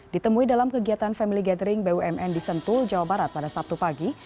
ditemui dalam kegiatan family gathering bumn di sentul jawa barat pada sabtu pagi